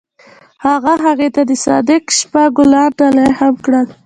هغه هغې ته د صادق شپه ګلان ډالۍ هم کړل.